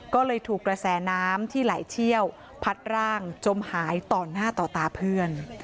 ก็เลยถูกกระแสน้ำที่ไหลเชี่ยวพัดร่างจมหายต่อหน้าต่อตาเพื่อน